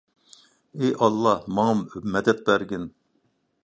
ئى ئاللاھ، ماڭا مەدەت بەرگىن.